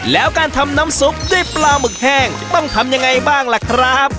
แล้วการทำน้ำซุปด้วยปลาหมึกแห้งต้องทำยังไงบ้างล่ะครับ